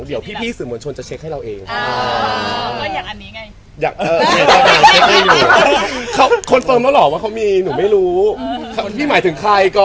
เดี๋ยวพี่สื่อมวลชนจะเช็คให้เราเอง